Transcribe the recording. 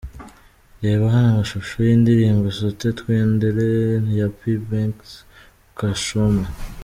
Reba hano amashusho y'indirimbo 'Sote twendelee' ya P Benks Kachoma.